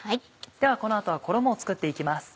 ではこの後は衣を作って行きます。